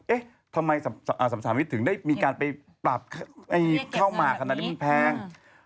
เอ๊ะทำไมสมสามิทถึงจะได้มีการไปปรับเข้ามักขนาดที่แพง